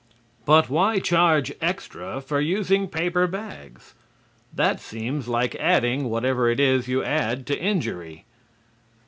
But why charge extra for using paper bags? That seems like adding whatever it is you add to injury.